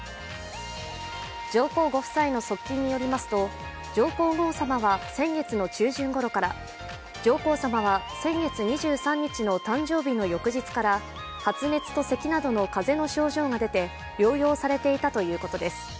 上皇ご夫妻の側近によりますと上皇后さまは先月の中旬ごろから上皇さまは先月２３日の誕生日の翌日から発熱とせきなどの風邪の症状が出て療養されていたということです。